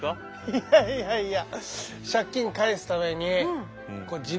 いやいやいやいや。